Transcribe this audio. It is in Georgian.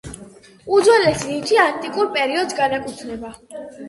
უძველესი ნივთი ანტიკურ პერიოდს განეკუთვნება.